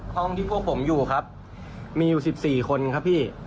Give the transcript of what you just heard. ห้องที่พวกผมอยู่ครับมีอยู่๑๔คนครับพี่